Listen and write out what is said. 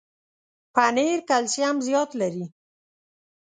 پنېر کلسیم زیات لري.